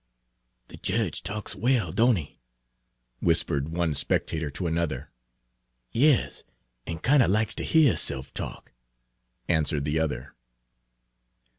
"The jedge talks well, don't he? " whispered one spectator to another. "Yes, and kinder likes ter hear hisse'f talk," answered the other.